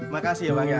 makasih ya bang